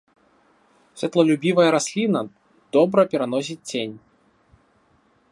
Святлолюбівая расліна, добра пераносіць цень.